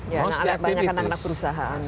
ya anak anak banyak kan anak perusahaan ya